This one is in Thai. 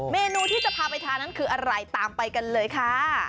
เมนูที่จะพาไปทานนั้นคืออะไรตามไปกันเลยค่ะ